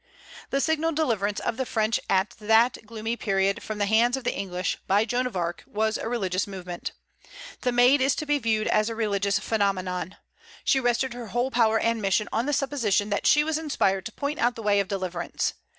The signal deliverance of the French at that gloomy period from the hands of the English, by Joan of Arc, was a religious movement. The Maid is to be viewed as a religious phenomenon; she rested her whole power and mission on the supposition that she was inspired to point out the way of deliverance.